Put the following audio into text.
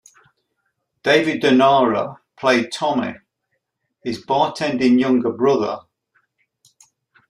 David Dundara played Tommy, his bartending younger brother.